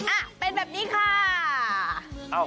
อ่ะเป็นแบบนี้ค่ะ